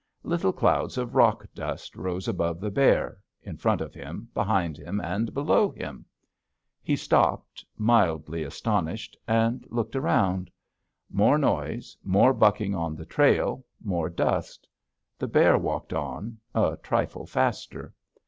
Little clouds of rock dust rose above the bear, in front of him, behind him, and below him. He stopped, mildly astonished, and looked around. More noise, more bucking on the trail, more dust. The bear walked on a trifle faster.